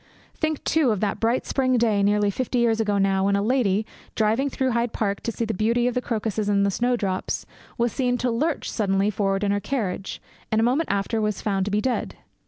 Think, too, of that bright spring day, nearly fifty years ago now, when a lady, driving through Hyde Park to see the beauty of the crocuses and the snowdrops, was seen to lurch suddenly forward in her carriage, and a moment after was found to be dead.